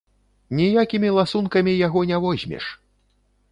Ніякімі ласункамі яго не возьмеш!